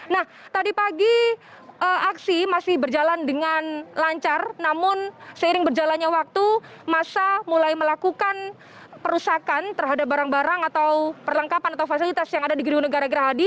nah tadi pagi aksi masih berjalan dengan lancar namun seiring berjalannya waktu masa mulai melakukan perusakan terhadap barang barang atau perlengkapan atau fasilitas yang ada di gedung negara gerahadi